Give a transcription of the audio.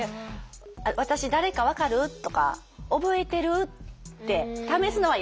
「私誰か分かる？」とか「覚えてる？」って試すのはやめてほしい。